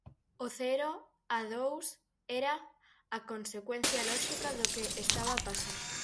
O cero a dous era a consecuencia lóxica do que estaba a pasar.